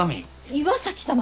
岩崎様！？